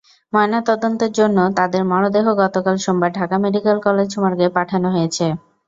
ময়নাতদন্তের জন্য তাঁদের মরদেহ গতকাল সোমবার ঢাকা মেডিকেল কলেজ মর্গে পাঠানো হয়েছে।